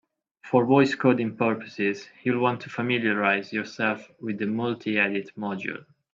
For voice coding purposes, you'll want to familiarize yourself with the multiedit module.